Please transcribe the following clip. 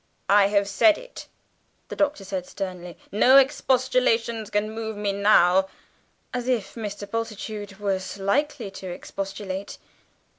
"I have said it," the Doctor said sternly; "no expostulations can move me now" (as if Mr. Bultitude was likely to expostulate!)